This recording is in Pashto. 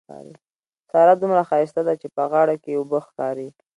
سارا دومره ښايسته ده چې په غاړه کې يې اوبه ښکاري.